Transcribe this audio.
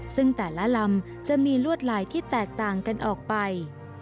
ซึ่งแต่ละลำจะมีลวดลายที่แตกต่างกันออกไป